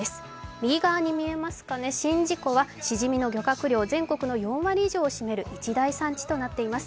右側に見えますかね、宍道湖はしじみの漁獲量、全国の４割以上を占める一大産地となっています。